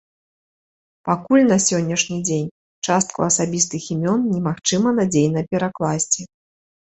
Пакуль на сённяшні дзень частку асабістых імён не магчыма надзейна перакласці.